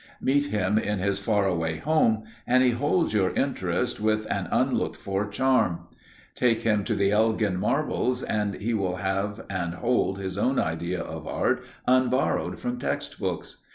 Meet him in his far away home, and he holds your interest with an unlooked for charm; take him to the Elgin marbles and he will have and hold his own idea of art unborrowed from text books.